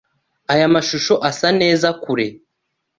Aya mashusho asa neza kure.